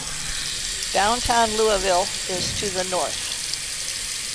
Downtown Louisville is to the north.